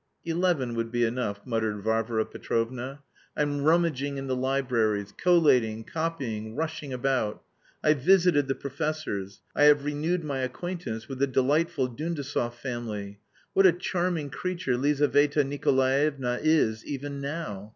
("Eleven would be enough," muttered Varvara Petrovna.) "I'm rummaging in the libraries, collating, copying, rushing about. I've visited the professors. I have renewed my acquaintance with the delightful Dundasov family. What a charming creature Lizaveta Nikolaevna is even now!